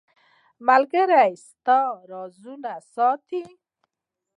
• ملګری ستا رازونه ساتي.